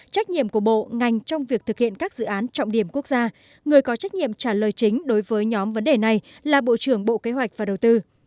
trách nhiệm của bộ ngành trong việc thực hiện các dự án trọng điểm quốc gia người có trách nhiệm trả lời chính đối với nhóm vấn đề này là bộ trưởng bộ kế hoạch và đầu tư